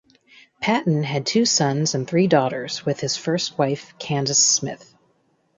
Patten had two sons and three daughters with his first wife Candace Smith.